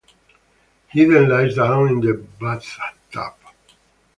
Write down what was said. He then lies down in the bathtub.